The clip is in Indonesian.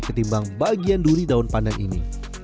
ketimbang bagian duri daun pandan ini